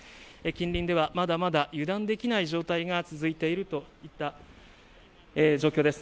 近隣では、まだまだ油断できない状況が続いているといった状況です。